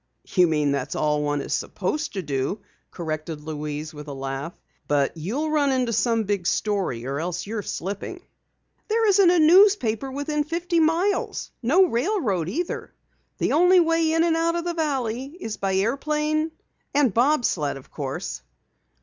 "You mean, that's all one is supposed to do," corrected Louise with a laugh. "But you'll run into some big story or else you're slipping!" "There isn't a newspaper within fifty miles. No railroad either. The only way in and out of the valley is by airplane, and bob sled, of course."